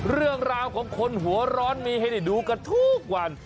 เรื่องราวของคนหัวร้อนมีให้ได้ดูกันทุกวัน